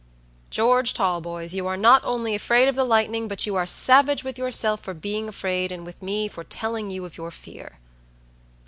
"George Talboys, you are not only afraid of the lightning, but you are savage with yourself for being afraid, and with me for telling you of your fear."